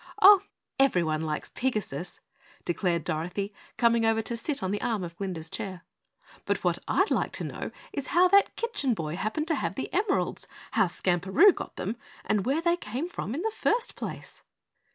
"Oh, everyone likes Pigasus," declared Dorothy, coming over to sit on the arm of Glinda's chair. "But what I'd like to know is how that Kitchen Boy happened to have the emeralds, how Skamperoo got them and where they came from in the first place?"